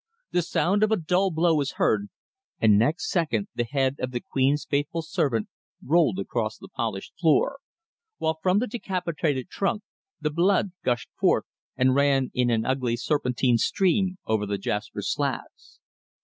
The sound of a dull blow was heard, and next second the head of the Queen's faithful servant rolled across the polished floor, while from the decapitated trunk the blood gushed forth and ran in an ugly serpentine stream over the jasper slabs.